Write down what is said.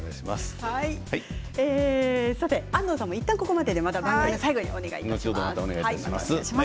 安藤さんはいったんここまで、また最後にお願いします。